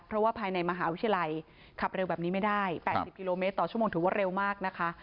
เพราะว่าภายในมหาวิทยาลัยขับเร็วแบบนี้ไม่ได้๘๐กิโลเมตรต่อชั่วโมงถือว่าเร็วมากนะคะ